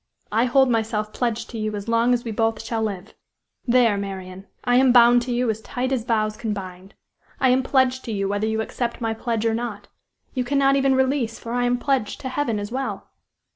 I hold myself pledged to you as long as we both shall live! There, Marian! I am bound to you as tight as vows can bind! I am pledged to you whether you accept my pledge or not. You cannot even release, for I am pledged to Heaven as well.